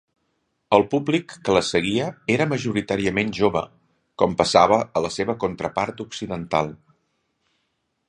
El públic que les seguia era majoritàriament jove, com passava a la seva contrapart occidental.